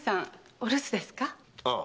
お留守ですか？